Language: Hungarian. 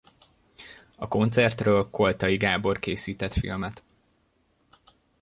A koncertről Koltay Gábor készített filmet.